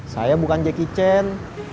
saya bukan jackie chan